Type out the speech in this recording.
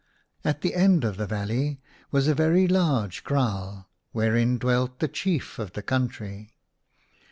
At the end of the valley was a very large kraal wherein dwelt the Chief of the country.